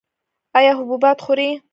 ایا حبوبات خورئ؟